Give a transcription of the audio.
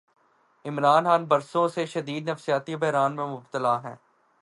عمران خان برسوں سے شدید نفسیاتی بحران میں مبتلا ہیں۔